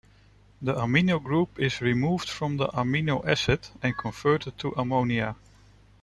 The amino group is removed from the amino acid and converted to ammonia.